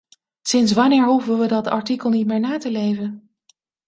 Sinds wanneer hoeven we dat artikel niet meer na te leven?